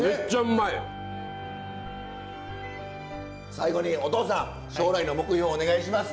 最後におとうさん将来の目標をお願いします。